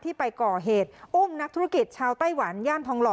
ไปก่อเหตุอุ้มนักธุรกิจชาวไต้หวันย่านทองหล่อ